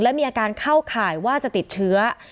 และมีอาการเข้าข่ายว่าจะติดเชื้อ